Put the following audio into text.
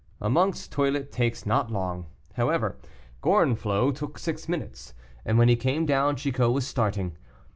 A monk's toilet takes not long; however, Gorenflot took six minutes, and when he came down Chicot was starting.